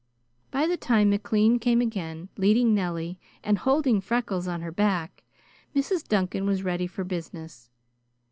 By the time McLean came again, leading Nelie and holding Freckles on her back, Mrs. Duncan was ready for business.